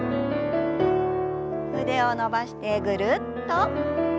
腕を伸ばしてぐるっと。